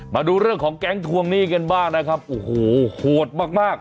มาดูเรื่องของแก๊งทวงหนี้กันบ้างนะครับโอ้โหโหดมากมาก